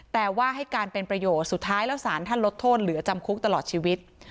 แต่ว่าให้การเป็นประโยชน์สุดท้ายแล้วสารท่านลดโทษเหลือจำคุกตลอดชีวิต